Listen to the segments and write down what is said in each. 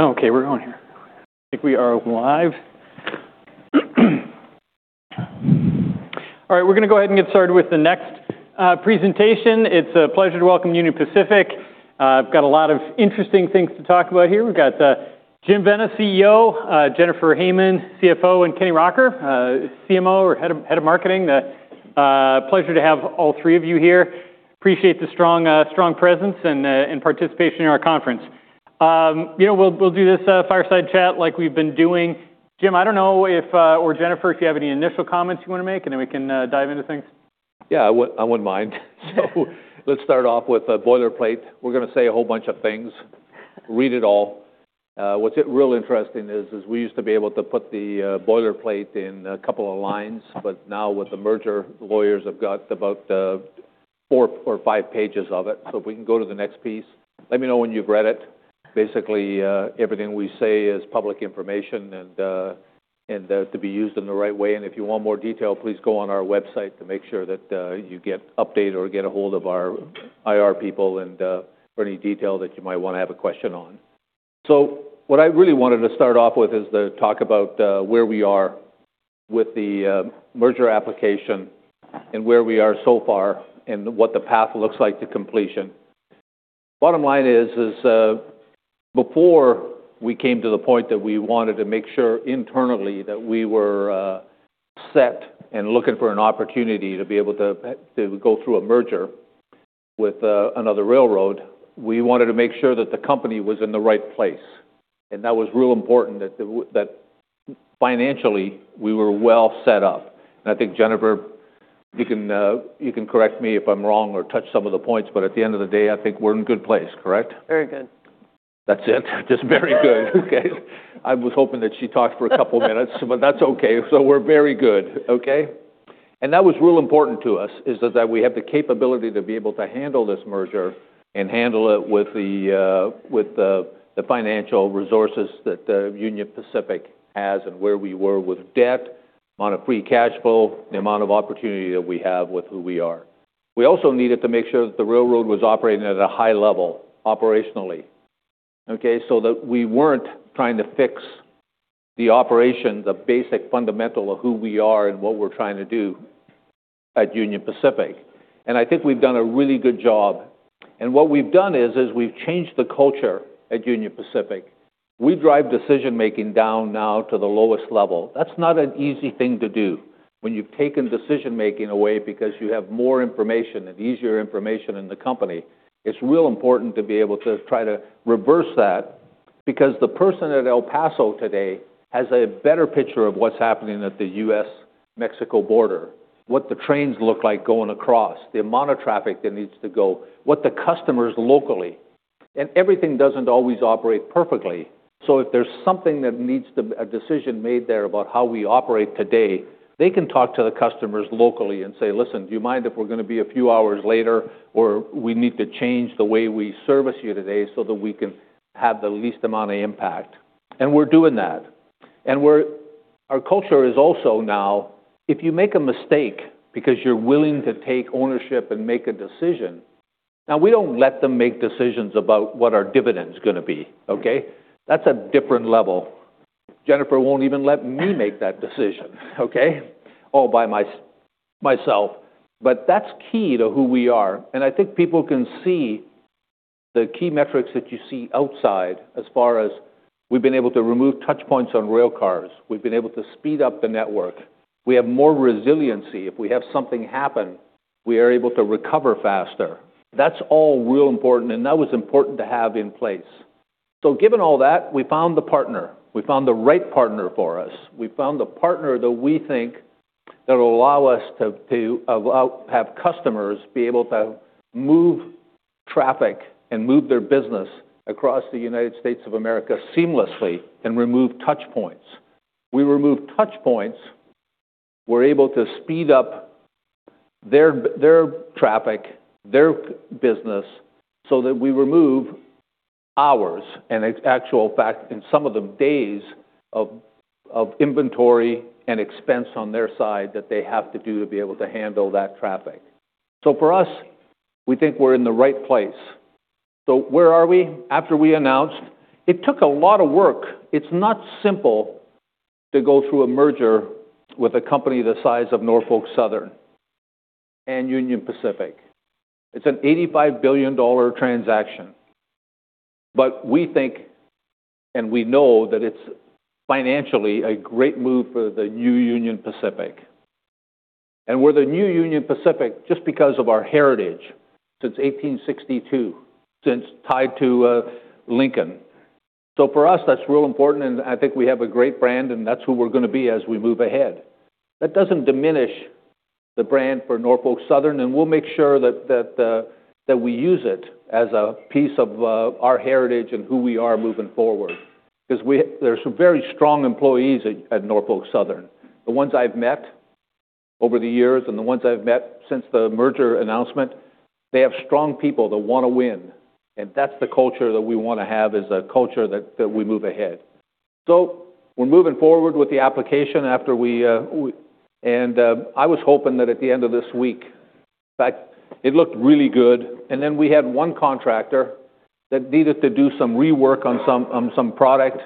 All right. Okay. We're going here. I think we are live. All right. We're gonna go ahead and get started with the next presentation. It's a pleasure to welcome Union Pacific. I've got a lot of interesting things to talk about here. We've got Jim Vena, CEO; Jennifer Hamann, CFO; and Kenny Rocker, CMO or Head of Marketing. Pleasure to have all three of you here. Appreciate the strong, strong presence and participation in our conference. You know, we'll do this fireside chat like we've been doing. Jim, I don't know if, or Jennifer, if you have any initial comments you wanna make, and then we can dive into things. Yeah. I wouldn't mind. Let's start off with boilerplate. We're gonna say a whole bunch of things, read it all. What's real interesting is we used to be able to put the boilerplate in a couple of lines, but now with the merger, lawyers have got about four or five pages of it. If we can go to the next piece, let me know when you've read it. Basically, everything we say is public information and to be used in the right way. If you want more detail, please go on our website to make sure that you get updated or get a hold of our IR people for any detail that you might want to have a question on. What I really wanted to start off with is to talk about where we are with the merger application and where we are so far and what the path looks like to completion. Bottom line is, before we came to the point that we wanted to make sure internally that we were set and looking for an opportunity to be able to go through a merger with another railroad, we wanted to make sure that the company was in the right place. That was real important, that financially we were well set up. I think, Jennifer, you can correct me if I'm wrong or touch some of the points, but at the end of the day, I think we're in a good place, correct? Very good. That's it. Just very good. Okay. I was hoping that she talked for a couple of minutes, but that's okay. We're very good. Okay. That was real important to us is that, that we have the capability to be able to handle this merger and handle it with the, with the, the financial resources that Union Pacific has and where we were with debt, amount of free cash flow, the amount of opportunity that we have with who we are. We also needed to make sure that the railroad was operating at a high level operationally. Okay. That we weren't trying to fix the operation, the basic fundamental of who we are and what we're trying to do at Union Pacific. I think we've done a really good job. What we've done is, is we've changed the culture at Union Pacific. We drive decision-making down now to the lowest level. That's not an easy thing to do when you've taken decision-making away because you have more information and easier information in the company. It's real important to be able to try to reverse that because the person at El Paso today has a better picture of what's happening at the U.S.-Mexico border, what the trains look like going across, the amount of traffic that needs to go, what the customers locally. Everything doesn't always operate perfectly. If there's something that needs to be a decision made there about how we operate today, they can talk to the customers locally and say, "Listen, do you mind if we're gonna be a few hours later or we need to change the way we service you today so that we can have the least amount of impact?" We're doing that. Our culture is also now, if you make a mistake because you're willing to take ownership and make a decision, now we don't let them make decisions about what our dividend's gonna be. Okay. That's a different level. Jennifer won't even let me make that decision. Okay. All by myself. That’s key to who we are. I think people can see the key metrics that you see outside as far as we've been able to remove touch points on rail cars. We've been able to speed up the network. We have more resiliency. If we have something happen, we are able to recover faster. That's all real important. That was important to have in place. Given all that, we found the partner. We found the right partner for us. We found the partner that we think that'll allow us to allow customers be able to move traffic and move their business across the United States of America seamlessly and remove touch points. We remove touch points. We're able to speed up their traffic, their business so that we remove hours and actual fact and some of the days of inventory and expense on their side that they have to do to be able to handle that traffic. For us, we think we're in the right place. Where are we after we announced? It took a lot of work. It's not simple to go through a merger with a company the size of Norfolk Southern and Union Pacific. It's an $85 billion transaction. We think and we know that it's financially a great move for the new Union Pacific. We're the new Union Pacific just because of our heritage since 1862, since tied to Lincoln. For us, that's real important. I think we have a great brand, and that's who we're gonna be as we move ahead. That doesn't diminish the brand for Norfolk Southern. We'll make sure that we use it as a piece of our heritage and who we are moving forward because there are some very strong employees at Norfolk Southern. The ones I've met over the years and the ones I've met since the merger announcement, they have strong people that wanna win. That's the culture that we wanna have, a culture that we move ahead. We're moving forward with the application after we, and I was hoping that at the end of this week, in fact, it looked really good. We had one contractor that needed to do some rework on some product,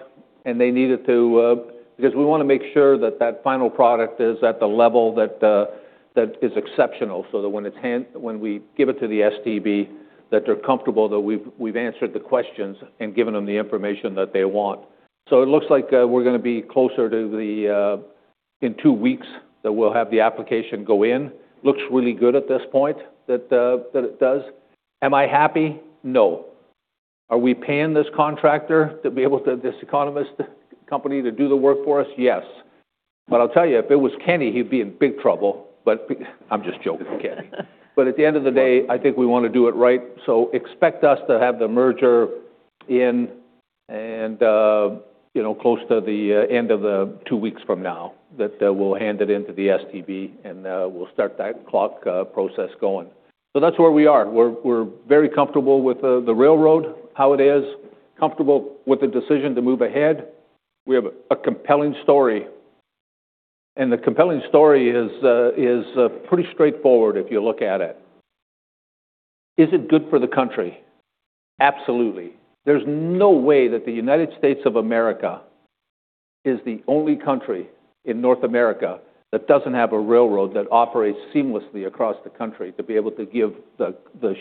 and they needed to, because we want to make sure that that final product is at the level that is exceptional so that when we give it to the STB, that they're comfortable that we've answered the questions and given them the information that they want. It looks like we're going to be closer to, in two weeks, that we'll have the application go in. Looks really good at this point that it does. Am I happy? No. Are we paying this contractor to be able to, this economist company, to do the work for us? Yes. I'll tell you, if it was Kenny, he'd be in big trouble. I'm just joking with Kenny. At the end of the day, I think we wanna do it right. Expect us to have the merger in and, you know, close to the end of the two weeks from now that we'll hand it in to the STB and we'll start that clock process going. That's where we are. We're very comfortable with the railroad, how it is, comfortable with the decision to move ahead. We have a compelling story. The compelling story is pretty straightforward if you look at it. Is it good for the country? Absolutely. is no way that the United States of America is the only country in North America that does not have a railroad that operates seamlessly across the country to be able to give the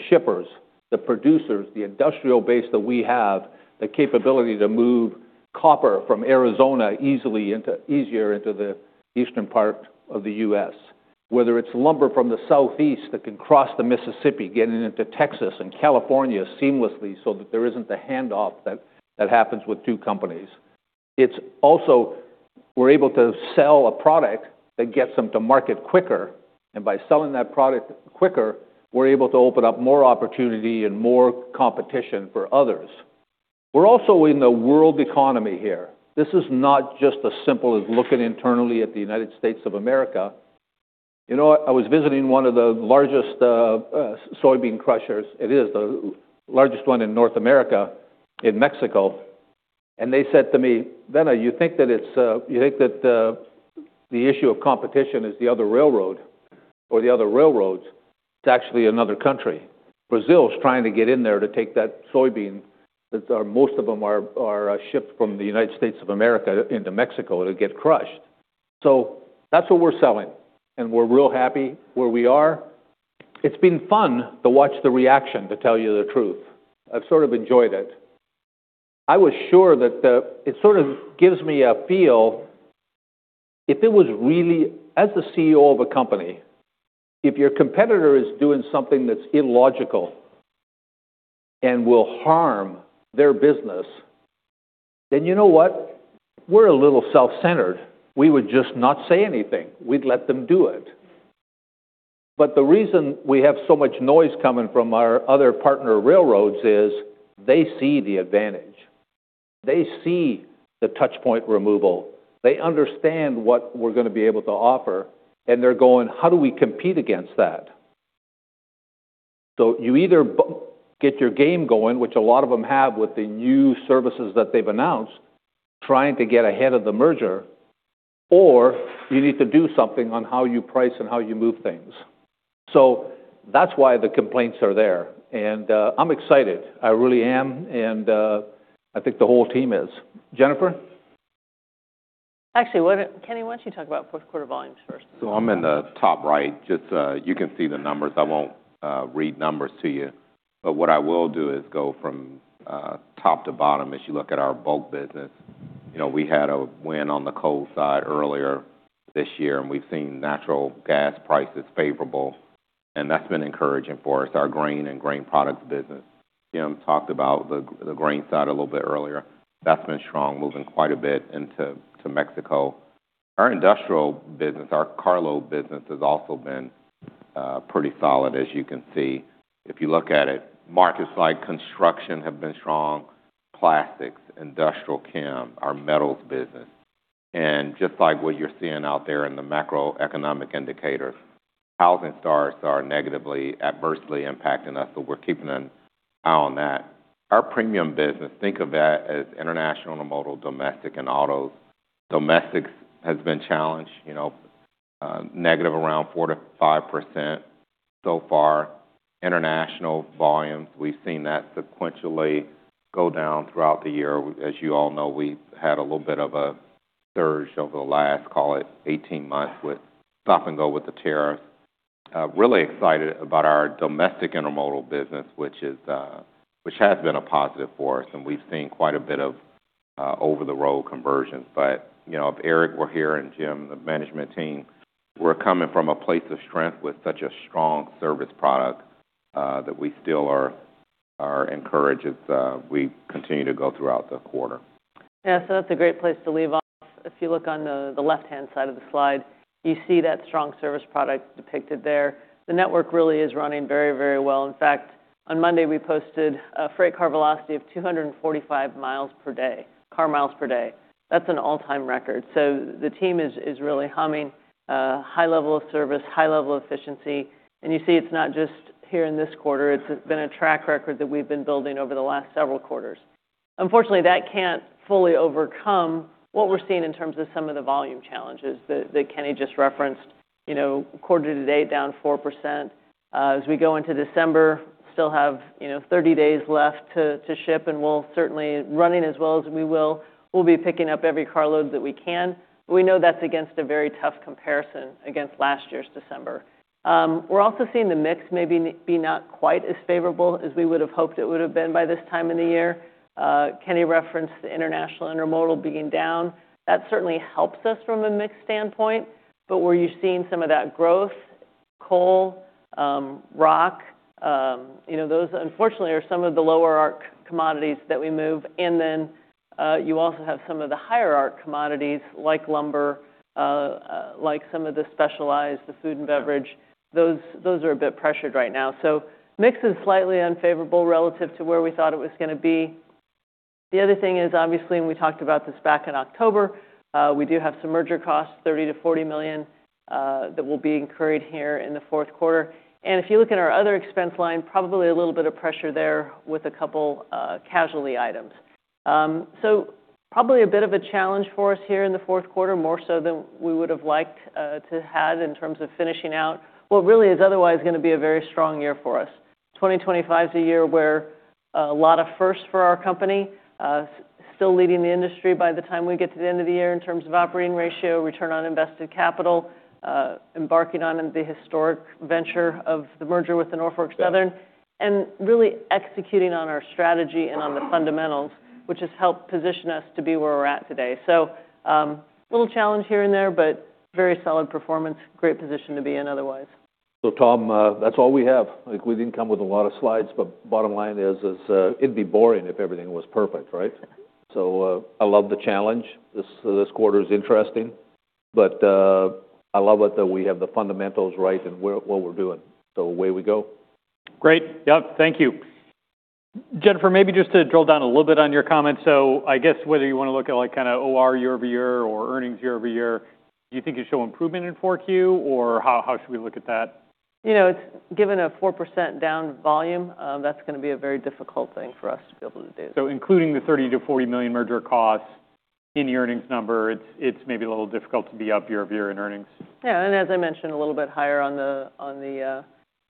shippers, the producers, the industrial base that we have, the capability to move copper from Arizona easily into the eastern part of the U.S., whether it is lumber from the southeast that can cross the Mississippi getting into Texas and California seamlessly so that there is not the handoff that happens with two companies. It is also we are able to sell a product that gets them to market quicker. By selling that product quicker, we are able to open up more opportunity and more competition for others. We are also in the world economy here. This is not just as simple as looking internally at the United States of America. You know, I was visiting one of the largest soybean crushers. It is the largest one in North America in Mexico. And they said to me, "Vena, you think that it's, you think that the issue of competition is the other railroad or the other railroads? It's actually another country." Brazil's trying to get in there to take that soybean that most of them are shipped from the United States of America into Mexico to get crushed. That's what we're selling. We're real happy where we are. It's been fun to watch the reaction, to tell you the truth. I've sort of enjoyed it. I was sure that it sort of gives me a feel if it was really as the CEO of a company, if your competitor is doing something that's illogical and will harm their business, then you know what? We're a little self-centered. We would just not say anything. We'd let them do it. The reason we have so much noise coming from our other partner railroads is they see the advantage. They see the touch point removal. They understand what we're gonna be able to offer. They're going, "How do we compete against that?" You either get your game going, which a lot of them have with the new services that they've announced, trying to get ahead of the merger, or you need to do something on how you price and how you move things. That's why the complaints are there. I'm excited. I really am. I think the whole team is. Jennifer? Actually, why don't Kenny, why don't you talk about fourth quarter volumes first? I'm in the top right. Just, you can see the numbers. I won't read numbers to you. What I will do is go from top to bottom as you look at our bulk business. You know, we had a win on the coal side earlier this year, and we've seen natural gas prices favorable. That's been encouraging for us, our grain and grain products business. Jim talked about the grain side a little bit earlier. That's been strong, moving quite a bit into Mexico. Our industrial business, our carload business has also been pretty solid as you can see. If you look at it, markets like construction have been strong, plastics, industrial chem, our metals business. Just like what you're seeing out there in the macroeconomic indicators, housing starts are negatively, adversely impacting us. We're keeping an eye on that. Our premium business, think of that as international and motor, domestic and autos. Domestic has been challenged, you know, negative around 4%-5% so far. International volumes, we've seen that sequentially go down throughout the year. As you all know, we've had a little bit of a surge over the last, call it, 18 months with stop and go with the tariffs. Really excited about our domestic intermodal business, which is, which has been a positive for us. We've seen quite a bit of over-the-road conversions. You know, Eric, we're here and Jim, the management team, we're coming from a place of strength with such a strong service product, that we still are encouraged as we continue to go throughout the quarter. Yeah. That's a great place to leave off. If you look on the left-hand side of the slide, you see that strong service product depicted there. The network really is running very, very well. In fact, on Monday, we posted a freight car velocity of 245 miles per day, car miles per day. That's an all-time record. The team is really humming, high level of service, high level of efficiency. You see it's not just here in this quarter. It's been a track record that we've been building over the last several quarters. Unfortunately, that can't fully overcome what we're seeing in terms of some of the volume challenges that Kenny just referenced. You know, quarter to date down 4%. As we go into December, still have, you know, 30 days left to ship. We'll certainly running as well as we will. We'll be picking up every carload that we can. We know that's against a very tough comparison against last year's December. We're also seeing the mix maybe be not quite as favorable as we would have hoped it would have been by this time in the year. Kenny referenced the international intermodal being down. That certainly helps us from a mix standpoint. Where you're seeing some of that growth, coal, rock, you know, those unfortunately are some of the lower-arch commodities that we move. You also have some of the higher-arch commodities like lumber, like some of the specialized, the food and beverage. Those, those are a bit pressured right now. Mix is slightly unfavorable relative to where we thought it was gonna be. The other thing is, obviously, and we talked about this back in October, we do have some merger costs, $30 million-$40 million, that will be incurred here in the fourth quarter. If you look at our other expense line, probably a little bit of pressure there with a couple, casualty items. Probably a bit of a challenge for us here in the fourth quarter, more so than we would have liked to have had in terms of finishing out what really is otherwise gonna be a very strong year for us. 2025 is a year where a lot of firsts for our company, still leading the industry by the time we get to the end of the year in terms of operating ratio, return on invested capital, embarking on the historic venture of the merger with Norfolk Southern, and really executing on our strategy and on the fundamentals, which has helped position us to be where we're at today. Little challenge here and there, but very solid performance, great position to be in otherwise. Tom, that's all we have. Like, we didn't come with a lot of slides. Bottom line is, it'd be boring if everything was perfect, right? I love the challenge. This quarter is interesting. I love it that we have the fundamentals right and what we're doing. Away we go. Great. Yep. Thank you. Jennifer, maybe just to drill down a little bit on your comments. I guess whether you wanna look at, like, kinda OR year-over-year or earnings year-over-year, do you think you'll show improvement in 4Q or how, how should we look at that? You know, it's given a 4% down volume, that's gonna be a very difficult thing for us to be able to do. Including the $30 million-$40 million merger costs in the earnings number, it's, it's maybe a little difficult to be up year-over-year in earnings. Yeah. As I mentioned, a little bit higher on the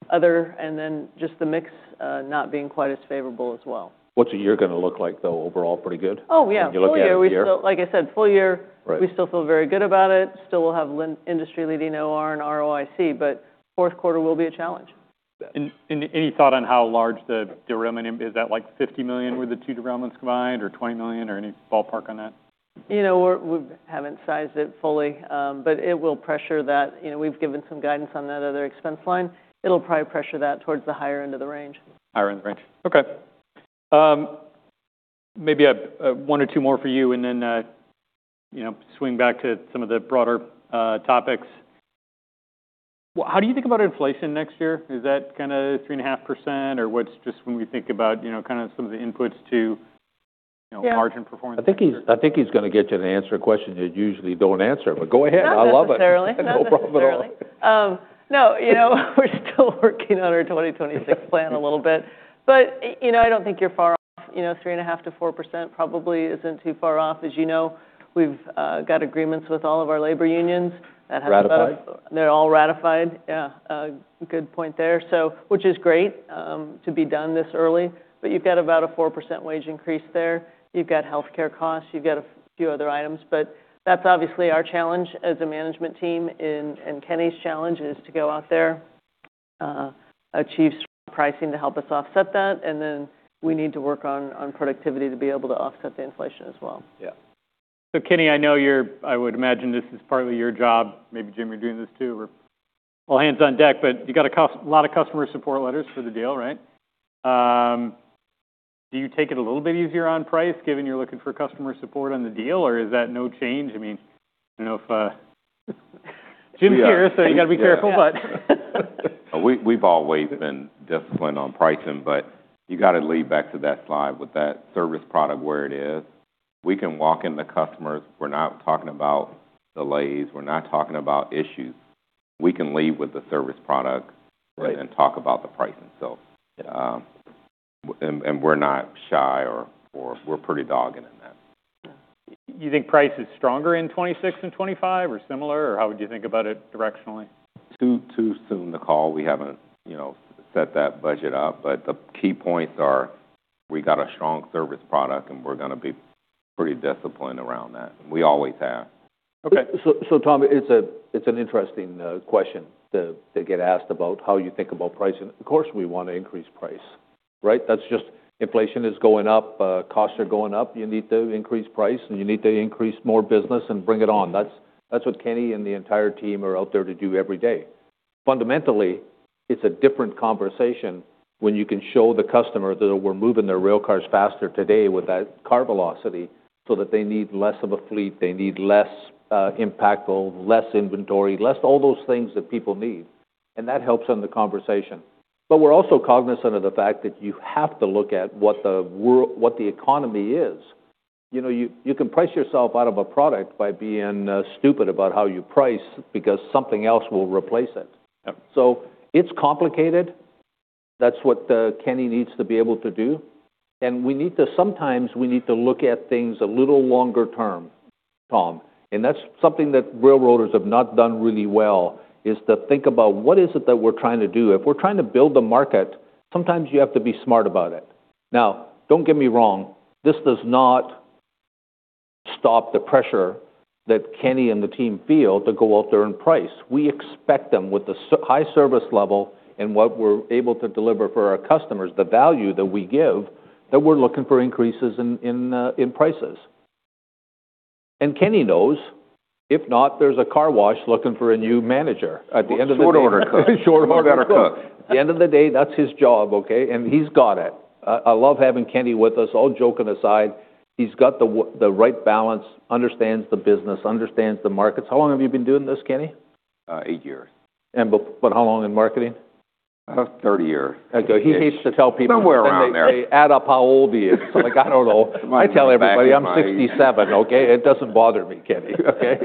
other and then just the mix not being quite as favorable as well. What's a year gonna look like though? Overall, pretty good? Oh, yeah. When you look at it. Full year, we still, like I said, full year. Right. We still feel very good about it. Still will have industry-leading OR and ROIC. Fourth quarter will be a challenge. Any thought on how large the derailment is? Is that like $50 million with the two derailments combined or $20 million or any ballpark on that? You know, we haven't sized it fully, but it will pressure that. You know, we've given some guidance on that other expense line. It'll probably pressure that towards the higher end of the range. Okay. Maybe a one or two more for you and then, you know, swing back to some of the broader topics. How do you think about inflation next year? Is that kinda 3.5% or what’s just when we think about, you know, kinda some of the inputs to, you know, margin performance? Yeah. I think he's, I think he's gonna get you to answer a question you usually don't answer. Go ahead. I love it. No, not necessarily. No problem at all. Not necessarily. No. You know, we're still working on our 2026 plan a little bit. You know, I don't think you're far off. You know, 3.5%-4% probably isn't too far off. As you know, we've got agreements with all of our labor unions. That hasn't been up. Ratified? They're all ratified. Yeah, good point there. Which is great, to be done this early. You've got about a 4% wage increase there. You've got healthcare costs. You've got a few other items. That's obviously our challenge as a management team, and Kenny's challenge is to go out there, achieve strong pricing to help us offset that. We need to work on productivity to be able to offset the inflation as well. Yeah. Kenny, I know you're, I would imagine this is partly your job. Maybe Jim, you're doing this too. We're all hands on deck. You got a lot of customer support letters for the deal, right? Do you take it a little bit easier on price given you're looking for customer support on the deal or is that no change? I mean, I don't know if Jim's here, so you gotta be careful, but. We, we've always been disciplined on pricing. You gotta lead back to that slide with that service product where it is. We can walk in the customers. We're not talking about delays. We're not talking about issues. We can lead with the service product. Right. Talk about the price itself. Yeah. We're not shy or we're pretty dogged in that. Yeah. You think price is stronger in 2026 and 2025 or similar? Or how would you think about it directionally? Too soon to call. We haven't, you know, set that budget up. The key points are we got a strong service product and we're gonna be pretty disciplined around that. We always have. Okay. Tom, it's an interesting question to get asked about how you think about pricing. Of course, we wanna increase price, right? That's just inflation is going up. Costs are going up. You need to increase price and you need to increase more business and bring it on. That's what Kenny and the entire team are out there to do every day. Fundamentally, it's a different conversation when you can show the customer that we're moving their railcars faster today with that car velocity so that they need less of a fleet. They need less, impactful, less inventory, less all those things that people need. That helps on the conversation. We're also cognizant of the fact that you have to look at what the world, what the economy is. You know, you can price yourself out of a product by being stupid about how you price because something else will replace it. Yep. It's complicated. That's what Kenny needs to be able to do. We need to, sometimes we need to look at things a little longer term, Tom. That's something that railroaders have not done really well is to think about what is it that we're trying to do. If we're trying to build a market, sometimes you have to be smart about it. Now, don't get me wrong. This does not stop the pressure that Kenny and the team feel to go out there and price. We expect them with the high service level and what we're able to deliver for our customers, the value that we give, that we're looking for increases in prices. Kenny knows. If not, there's a car wash looking for a new manager at the end of the day. Short order cook. Short order cook. At the end of the day, that's his job, okay? And he's got it. I love having Kenny with us. All joking aside, he's got the right balance, understands the business, understands the markets. How long have you been doing this, Kenny? Eight years. But how long in marketing? 30 years. Okay. He hates to tell people. Somewhere around there. They add up how old he is. Like, I don't know. I tell everybody I'm 67, okay? It doesn't bother me, Kenny, okay?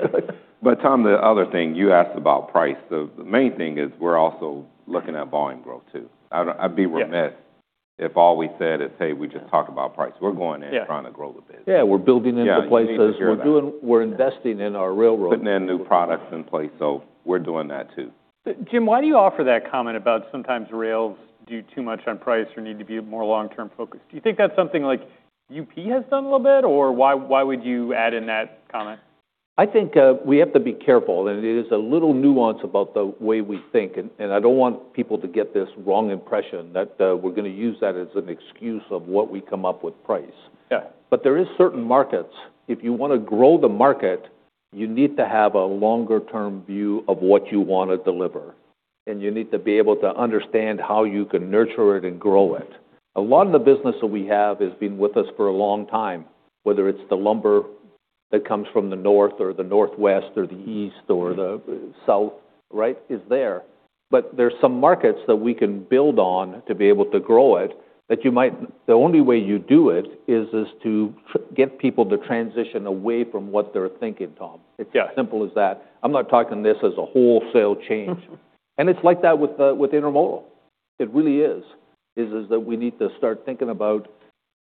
Tom, the other thing you asked about price. The main thing is we're also looking at volume growth too. I don't, I'd be remiss if all we said is, "Hey, we just talk about price." We're going in. Yeah. Trying to grow the business. Yeah. We're building into places. Yeah. We're investing in our railroad. Putting in new products in place. We're doing that too. Jim, why do you offer that comment about sometimes rails do too much on price or need to be more long-term focused? Do you think that's something like UP has done a little bit or why, why would you add in that comment? I think we have to be careful. It is a little nuance about the way we think. I do not want people to get this wrong impression that we are gonna use that as an excuse of what we come up with price. Yeah. There are certain markets. If you wanna grow the market, you need to have a longer-term view of what you wanna deliver. You need to be able to understand how you can nurture it and grow it. A lot of the business that we have has been with us for a long time, whether it's the lumber that comes from the north or the northwest or the east or the south, right, is there. There are some markets that we can build on to be able to grow it that you might, the only way you do it is to get people to transition away from what they're thinking, Tom. Yeah. It's as simple as that. I'm not talking this as a wholesale change. It's like that with intermodal. It really is that we need to start thinking about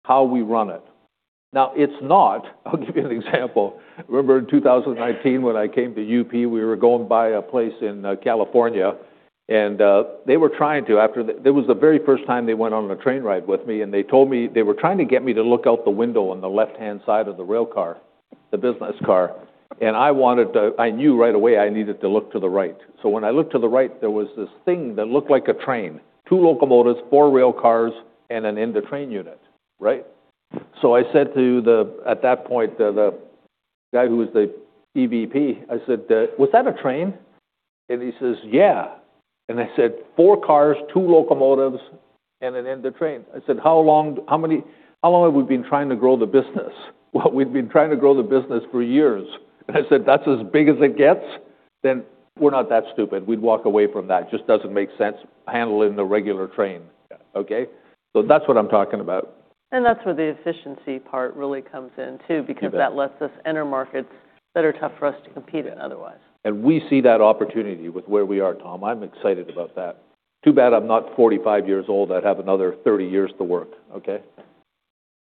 how we run it. Now, I'll give you an example. Remember in 2019 when I came to UP, we were going by a place in California. They were trying to, after the, it was the very first time they went on a train ride with me. They told me they were trying to get me to look out the window on the left-hand side of the railcar, the business car. I wanted to, I knew right away I needed to look to the right. When I looked to the right, there was this thing that looked like a train, two locomotives, four railcars, and an end-of-train unit, right? I said to the, at that point, the guy who was the EVP, I said, "Was that a train?" He says, "Yeah." I said, "Four cars, two locomotives, and an end-of-train." I said, "How long, how many, how long have we been trying to grow the business?" "We've been trying to grow the business for years." I said, "That's as big as it gets? We're not that stupid. We'd walk away from that. It just doesn't make sense handling the regular train. Yeah. Okay? That's what I'm talking about. That is where the efficiency part really comes in too because that lets us enter markets that are tough for us to compete in otherwise. We see that opportunity with where we are, Tom. I'm excited about that. Too bad I'm not 45 years old. I'd have another 30 years to work, okay,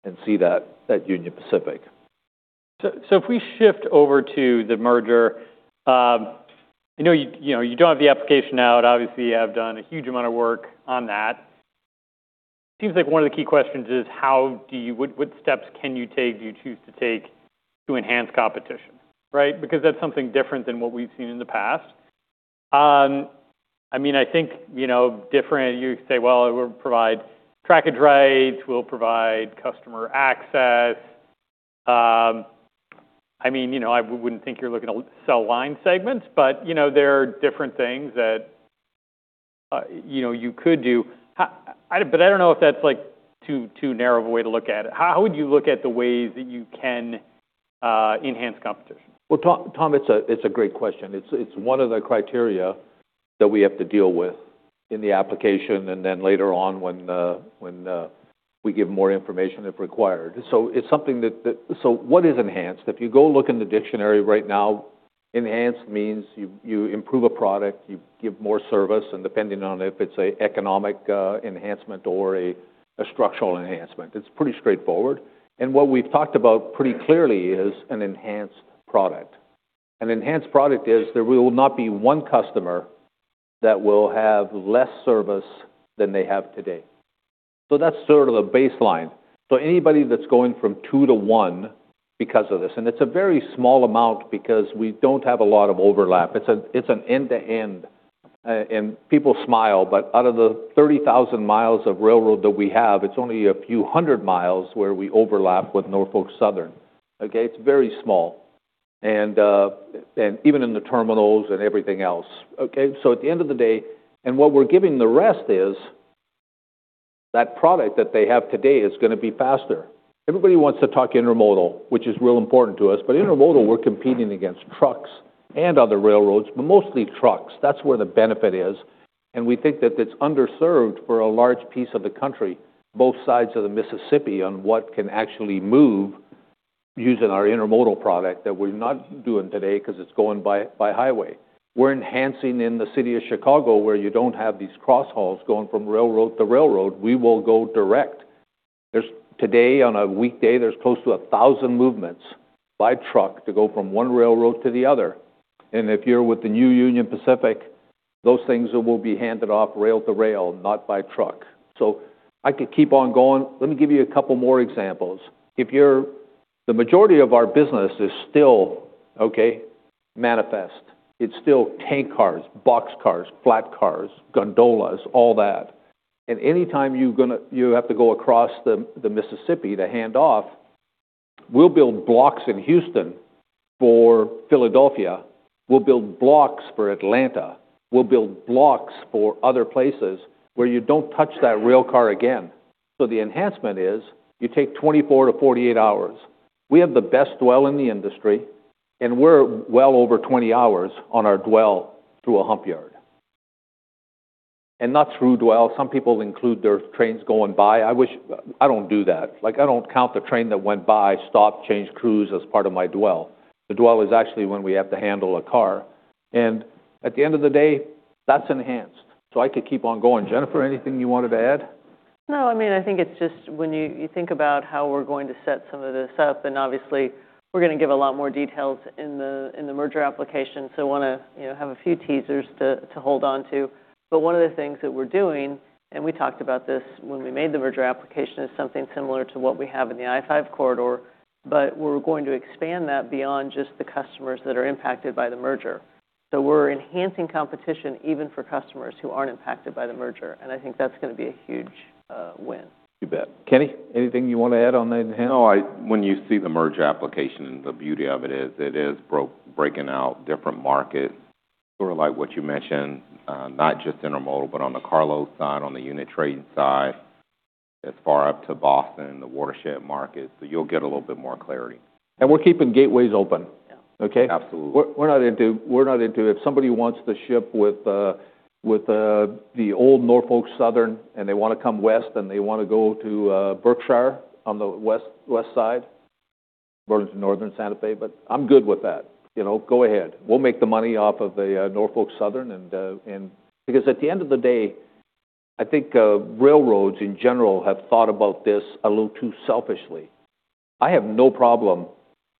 and see that at Union Pacific. If we shift over to the merger, I know you, you know, you don't have the application out. Obviously, you have done a huge amount of work on that. Seems like one of the key questions is how do you, what, what steps can you take, do you choose to take to enhance competition, right? Because that's something different than what we've seen in the past. I mean, I think, you know, different, you say, "Well, we'll provide track and trace. We'll provide customer access." I mean, you know, I wouldn't think you're looking to sell line segments. But, you know, there are different things that, you know, you could do. How, I don't, but I don't know if that's like too, too narrow of a way to look at it. How, how would you look at the ways that you can enhance competition? Tom, it's a great question. It's one of the criteria that we have to deal with in the application and then later on when we give more information if required. It's something that, so what is enhanced? If you go look in the dictionary right now, enhanced means you improve a product, you give more service, and depending on if it's an economic enhancement or a structural enhancement. It's pretty straightforward. What we've talked about pretty clearly is an enhanced product. An enhanced product is there will not be one customer that will have less service than they have today. That's sort of the baseline. Anybody that's going from two to one because of this, and it's a very small amount because we do not have a lot of overlap. It's an end-to-end, and people smile. Out of the 30,000 miles of railroad that we have, it's only a few hundred miles where we overlap with Norfolk Southern, okay? It's very small. Even in the terminals and everything else, okay? At the end of the day, what we're giving the rest is that product that they have today is gonna be faster. Everybody wants to talk intermodal, which is real important to us. Intermodal, we're competing against trucks and other railroads, but mostly trucks. That's where the benefit is. We think that it's underserved for a large piece of the country, both sides of the Mississippi on what can actually move using our intermodal product that we're not doing today because it's going by highway. We're enhancing in the city of Chicago where you don't have these crosshauls going from railroad to railroad. We will go direct. Today, on a weekday, there's close to 1,000 movements by truck to go from one railroad to the other. If you're with the new Union Pacific, those things will be handed off rail to rail, not by truck. I could keep on going. Let me give you a couple more examples. The majority of our business is still manifest. It's still tank cars, box cars, flat cars, gondolas, all that. Anytime you have to go across the Mississippi to hand off, we'll build blocks in Houston for Philadelphia. We'll build blocks for Atlanta. We'll build blocks for other places where you don't touch that railcar again. The enhancement is you take 24 hours-48 hours. We have the best dwell in the industry, and we're well over 20 hours on our dwell through a hump yard, and not through dwell. Some people include their trains going by. I wish, I don't do that. Like, I don't count the train that went by, stop, change crews as part of my dwell. The dwell is actually when we have to handle a car. At the end of the day, that's enhanced. I could keep on going. Jennifer, anything you wanted to add? No, I mean, I think it's just when you think about how we're going to set some of this up. Obviously, we're gonna give a lot more details in the merger application. I wanna, you know, have a few teasers to hold on to. One of the things that we're doing, and we talked about this when we made the merger application, is something similar to what we have in the I-5 corridor. We're going to expand that beyond just the customers that are impacted by the merger. We're enhancing competition even for customers who aren't impacted by the merger. I think that's gonna be a huge win. You bet. Kenny, anything you wanna add on the enhancement? No, I, when you see the merger application, the beauty of it is it is breaking out different markets, sort of like what you mentioned, not just intermodal but on the carload side, on the unit train side, as far up to Boston, the watershed market. You will get a little bit more clarity. We're keeping gateways open, okay? Absolutely. We're not into, we're not into if somebody wants to ship with the old Norfolk Southern and they wanna come west and they wanna go to Berkshire on the west, west side, Berkshire Northern Santa Fe. I'm good with that. You know, go ahead. We'll make the money off of the Norfolk Southern and, and because at the end of the day, I think railroads in general have thought about this a little too selfishly. I have no problem.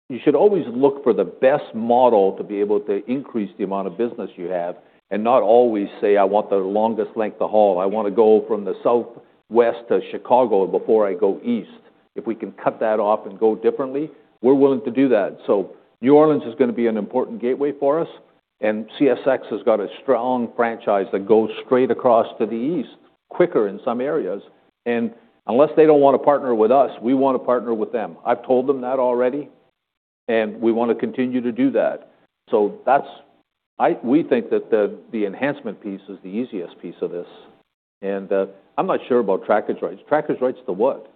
You should always look for the best model to be able to increase the amount of business you have and not always say, "I want the longest length of haul. I wanna go from the southwest to Chicago before I go east." If we can cut that off and go differently, we're willing to do that. New Orleans is gonna be an important gateway for us. CSX has got a strong franchise that goes straight across to the east, quicker in some areas. Unless they do not want to partner with us, we want to partner with them. I have told them that already. We want to continue to do that. We think that the enhancement piece is the easiest piece of this. I am not sure about trackage rights. Trackage rights to what?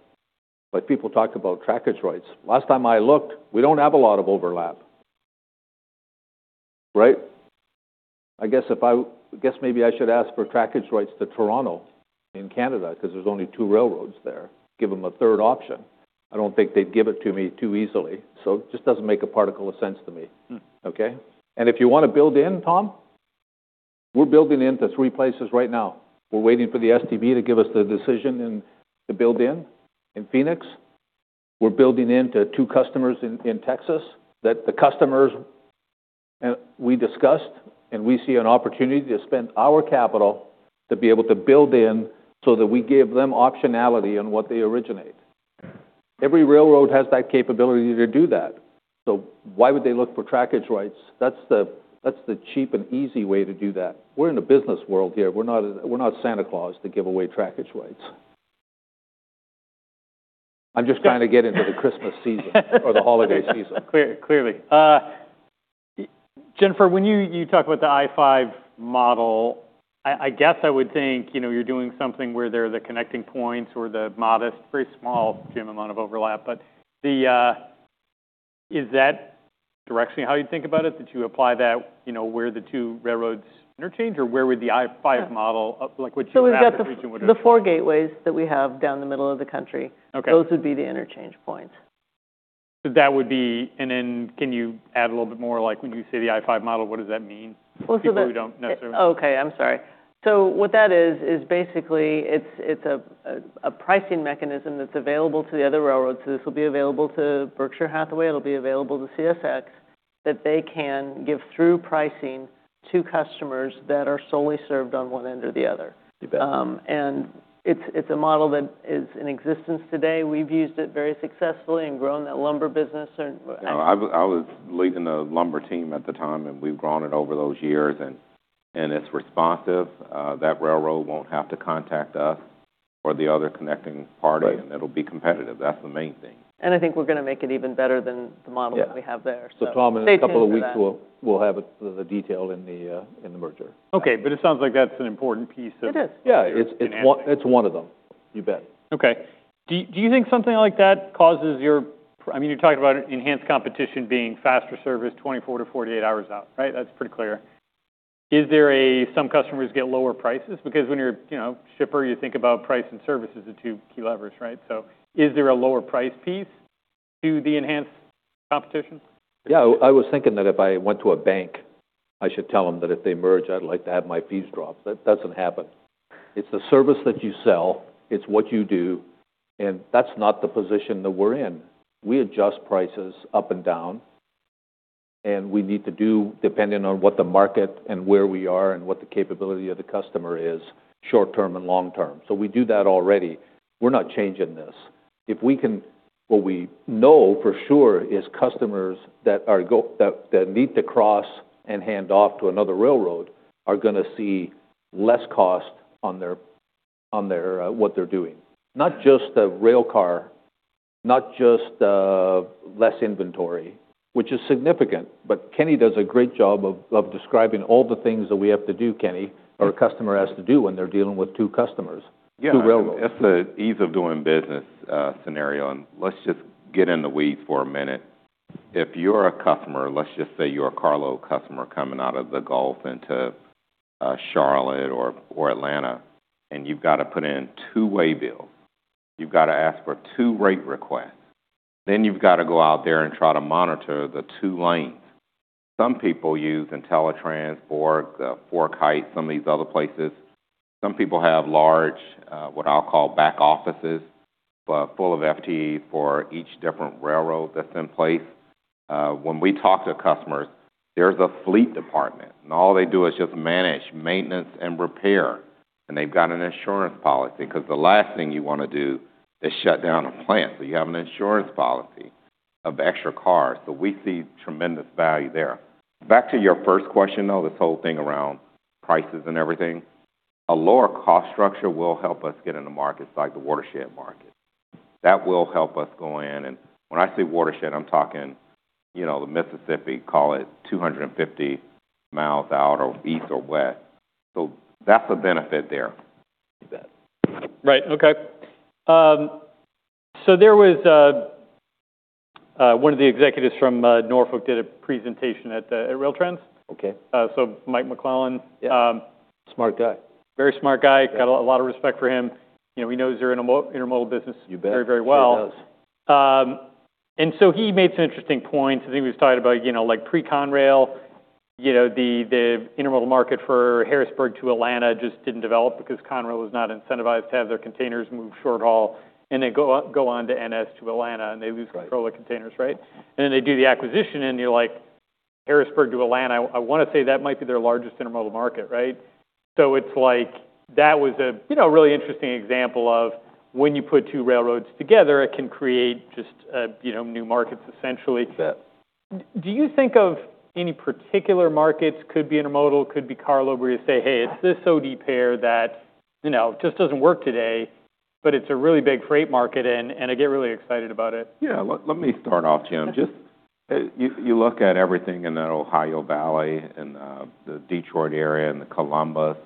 Like, people talk about trackage rights. Last time I looked, we do not have a lot of overlap, right? I guess maybe I should ask for trackage rights to Toronto in Canada because there are only two railroads there. Give them a third option. I do not think they would give it to me too easily. It just does not make a particle of sense to me, okay? If you want to build in, Tom, we're building into three places right now. We're waiting for the STB to give us the decision and to build in. In Phoenix, we're building into two customers in Texas that the customers and we discussed, and we see an opportunity to spend our capital to be able to build in so that we give them optionality on what they originate. Every railroad has that capability to do that. Why would they look for trackage rights? That's the cheap and easy way to do that. We're in a business world here. We're not Santa Claus to give away trackage rights. I'm just trying to get into the Christmas season or the holiday season. Clearly, clearly. Jennifer, when you talk about the I-5 model, I guess I would think, you know, you're doing something where there are the connecting points or the modest, very small, Jim, amount of overlap. Is that directly how you'd think about it? Did you apply that, you know, where the two railroads interchange or where would the I-5 model, like what you're talking about, region would? We've got the four gateways that we have down the middle of the country. Okay. Those would be the interchange points. That would be, and then can you add a little bit more? Like, when you say the I-5 model, what does that mean? So the. People who do not necessarily. Oh, okay. I'm sorry. What that is, is basically it's a pricing mechanism that's available to the other railroads. This will be available to Berkshire Hathaway. It'll be available to CSX that they can give through pricing to customers that are solely served on one end or the other. You bet. It's a model that is in existence today. We've used it very successfully and grown that lumber business. No, I was late in the lumber team at the time, and we've grown it over those years. It's responsive. That railroad won't have to contact us or the other connecting party. It'll be competitive. That's the main thing. I think we're gonna make it even better than the model that we have there. Yeah. So yeah. Tom, in a couple of weeks, we'll have it, the detail in the merger. Okay. It sounds like that's an important piece of. It is. Yeah. It's one of them. You bet. Okay. Do you think something like that causes your, I mean, you talked about enhanced competition being faster service 24 hours-48 hours out, right? That's pretty clear. Is there a, some customers get lower prices? Because when you're, you know, shipper, you think about price and service as the two key levers, right? So is there a lower price piece to the enhanced competition? Yeah. I was thinking that if I went to a bank, I should tell them that if they merge, I'd like to have my fees dropped. That does not happen. It's the service that you sell. It's what you do. That's not the position that we're in. We adjust prices up and down. We need to do, depending on what the market and where we are and what the capability of the customer is, short-term and long-term. We do that already. We're not changing this. What we know for sure is customers that are go, that need to cross and hand off to another railroad are gonna see less cost on their, on their, what they're doing. Not just the railcar, not just, less inventory, which is significant. Kenny does a great job of describing all the things that we have to do, Kenny, or a customer has to do when they're dealing with two customers, two railroads. Yeah. That's a, that's a ease-of-doing-business, scenario. Let's just get in the weeds for a minute. If you're a customer, let's just say you're a carload customer coming out of the Gulf into Charlotte or Atlanta, and you've gotta put in two waybills, you've gotta ask for two rate requests, then you've gotta go out there and try to monitor the two lanes. Some people use IntelliTrans, Bourque Logistics, FourKites, some of these other places. Some people have large, what I'll call back offices, full of FTEs for each different railroad that's in place. When we talk to customers, there's a fleet department, and all they do is just manage maintenance and repair. They've got an insurance policy 'cause the last thing you wanna do is shut down a plant. You have an insurance policy of extra cars. We see tremendous value there. Back to your first question, though, this whole thing around prices and everything, a lower cost structure will help us get in the markets like the watershed market. That will help us go in. When I say watershed, I'm talking, you know, the Mississippi, call it 250 miles out or east or west. That's a benefit there. You bet. Right. Okay. There was one of the executives from Norfolk did a presentation at RailTrans. Okay. Mike McClellan. Yeah. Smart guy. Very smart guy. Yeah. Got a lot of respect for him. You know, he knows you're in the intermodal business. You bet. Very, very well. He does. He made some interesting points. I think he was talking about, you know, like pre-Conrail, you know, the intermodal market for Harrisburg to Atlanta just did not develop because Conrail was not incentivized to have their containers move short haul. They go on to NS to Atlanta, and they lose. Right. Control of containers, right? And then they do the acquisition, and you're like, Harrisburg to Atlanta, I wanna say that might be their largest intermodal market, right? It was a, you know, really interesting example of when you put two railroads together, it can create just, you know, new markets essentially. You bet. Do you think of any particular markets, could be intermodal, could be carload, where you say, "Hey, it's this OD pair that, you know, just doesn't work today, but it's a really big freight market, and I get really excited about it"? Yeah. Let me start off, Jim. Just, you look at everything in that Ohio Valley and the Detroit area and the Columbus,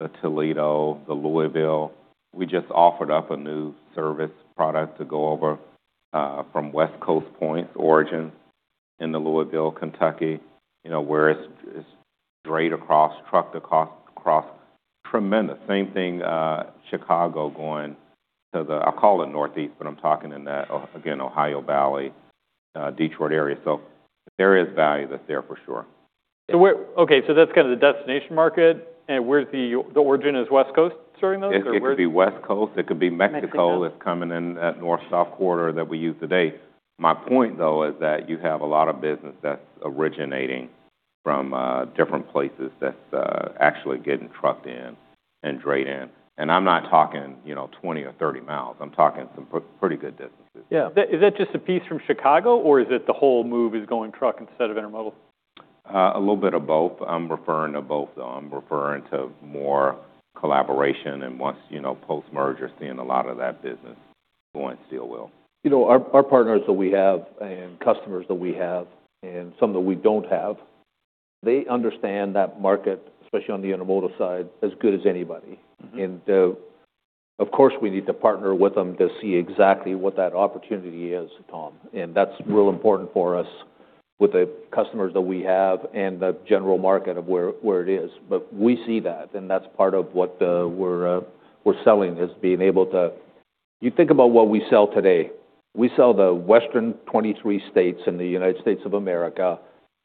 the Toledo, the Louisville. We just offered up a new service product to go over from West Coast points, origin in the Louisville, Kentucky, you know, where it's drayed across, trucked across, across tremendous. Same thing, Chicago going to the, I'll call it northeast, but I'm talking in that, again, Ohio Valley, Detroit area. There is value that's there for sure. Okay. That's kind of the destination market. And where's the, the origin is West Coast starting though, or where? It could be West Coast. It could be Mexico. Mexico. That's coming in that north-south corridor that we use today. My point, though, is that you have a lot of business that's originating from different places that's actually getting trucked in and drayed in. And I'm not talking, you know, 20 miles or 30 miles. I'm talking some pretty good distances. Yeah. Is that just a piece from Chicago, or is it the whole move is going truck instead of intermodal? A little bit of both. I'm referring to both, though. I'm referring to more collaboration. Once, you know, post-merger, seeing a lot of that business going steel wheel. You know, our partners that we have and customers that we have and some that we don't have, they understand that market, especially on the intermodal side, as good as anybody. Of course, we need to partner with them to see exactly what that opportunity is, Tom. That is real important for us with the customers that we have and the general market of where it is. We see that. That is part of what we are selling, being able to, you think about what we sell today. We sell the western 23 states in the United States of America.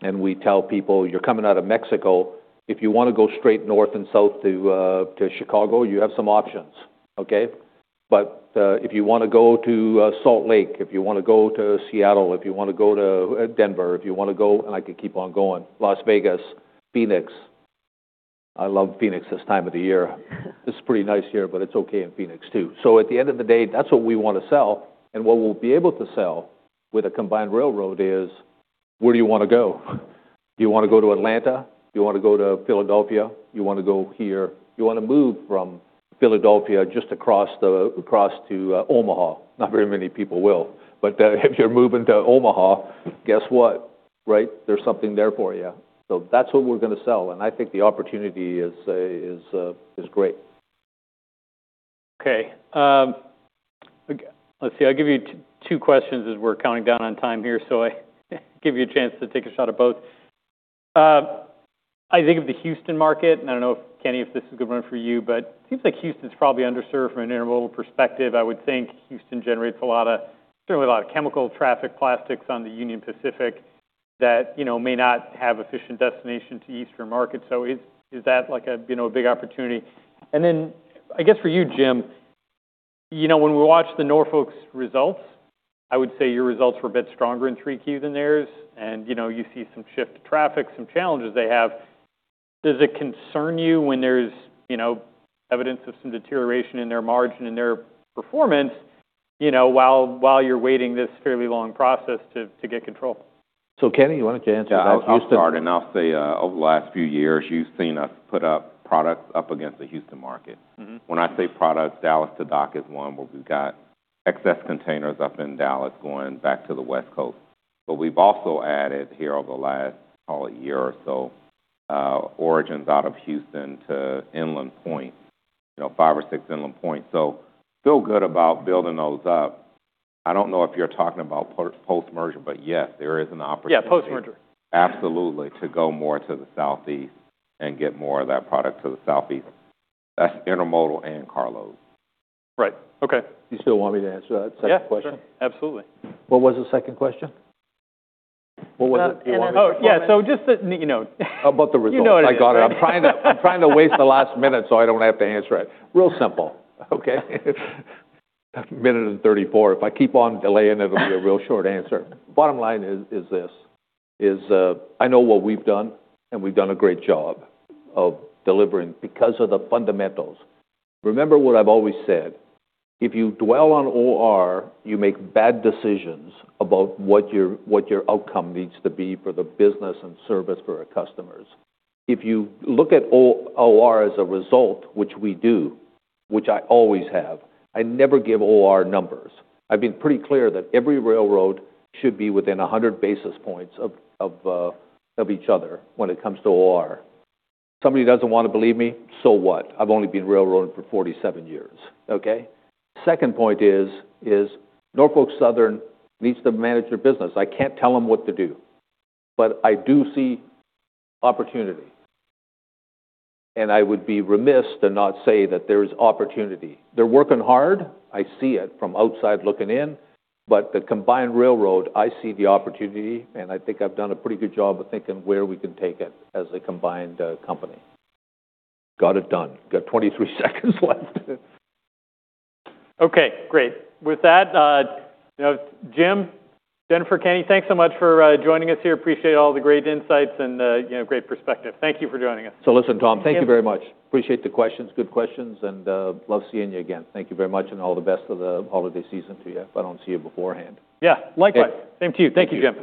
We tell people, "You are coming out of Mexico. If you want to go straight north and south to Chicago, you have some options, okay? If you want to go to Salt Lake, if you want to go to Seattle, if you want to go to Denver, if you want to go" and I could keep on going, Las Vegas, Phoenix. I love Phoenix this time of the year. It's a pretty nice year, but it's okay in Phoenix too. At the end of the day, that's what we wanna sell. What we'll be able to sell with a combined railroad is, "Where do you wanna go? Do you wanna go to Atlanta? Do you wanna go to Philadelphia? Do you wanna go here? Do you wanna move from Philadelphia just across to Omaha?" Not very many people will. If you're moving to Omaha, guess what, right? There's something there for you. That's what we're gonna sell. I think the opportunity is great. Okay. Let's see. I'll give you two questions as we're counting down on time here, so I give you a chance to take a shot at both. I think of the Houston market. And I don't know if, Kenny, if this is a good one for you, but it seems like Houston's probably underserved from an intermodal perspective. I would think Houston generates a lot of, certainly a lot of chemical traffic, plastics on the Union Pacific that, you know, may not have efficient destination to eastern markets. Is that like a big opportunity? I guess for you, Jim, you know, when we watched the Norfolk's results, I would say your results were a bit stronger in 3Q than theirs. You know, you see some shift to traffic, some challenges they have. Does it concern you when there's, you know, evidence of some deterioration in their margin and their performance, you know, while you're waiting this fairly long process to get control? Kenny, you wanted to answer that Houston. I'll start. Over the last few years, you've seen us put up products up against the Houston market. Mm-hmm. When I say products, Dallas to Dock is one where we've got excess containers up in Dallas going back to the West Coast. We have also added here over the last, call it, year or so, origins out of Houston to inland points, you know, five or six inland points. I feel good about building those up. I do not know if you're talking about post-merger, but yes, there is an opportunity. Yeah. Post-merger. Absolutely. To go more to the southeast and get more of that product to the southeast. That's intermodal and carload. Right. Okay. You still want me to answer that second question? Yeah. Sure. Absolutely. What was the second question? What was it? Oh, yeah. Just the, you know. About the results. You know what I'm saying? I got it. I'm trying to waste the last minute so I don't have to answer it. Real simple, okay? Minute and 34. If I keep on delaying, it'll be a real short answer. Bottom line is, is this, is, I know what we've done, and we've done a great job of delivering because of the fundamentals. Remember what I've always said. If you dwell on OR, you make bad decisions about what your what your outcome needs to be for the business and service for our customers. If you look at OR as a result, which we do, which I always have, I never give OR numbers. I've been pretty clear that every railroad should be within 100 basis points of each other when it comes to OR. Somebody doesn't wanna believe me, so what? I've only been railroading for 47 years, okay? Second point is, Norfolk Southern needs to manage their business. I can't tell them what to do. I do see opportunity. I would be remiss to not say that there is opportunity. They're working hard. I see it from outside looking in. The combined railroad, I see the opportunity. I think I've done a pretty good job of thinking where we can take it as a combined company. Got it done. Got 23 seconds left. Okay. Great. With that, you know, Jim, Jennifer, Kenny, thanks so much for joining us here. Appreciate all the great insights and, you know, great perspective. Thank you for joining us. Listen, Tom, thank you very much. Thank you. Appreciate the questions, good questions. I love seeing you again. Thank you very much. All the best of the holiday season to you if I don't see you beforehand. Yeah. Likewise. Same to you. Thank you, Jim.